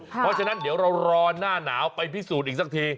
เพราะฉะนั้นเดี๋ยวเรารอหน้าหนาวไปพิสูจน์อีกสักที